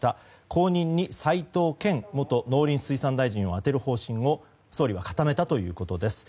後任に、齋藤健元農林水産大臣を充てる方針を総理が固めたということです。